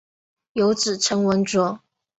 有子陈文烛。